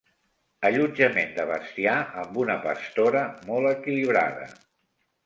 Allotjament de bestiar amb una pastora molt equilibrada.